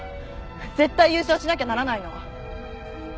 絶対優勝しなきゃならないの。